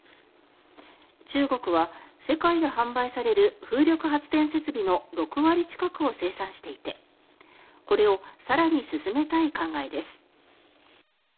中国は世界で販売される風力発電設備の６０割近くを生産していて、これを更に進めたい考えです。